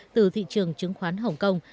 từ thị trường chứng khoán hồng kông